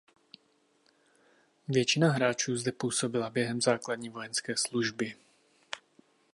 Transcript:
Většina hráčů zde působila během základní vojenské služby.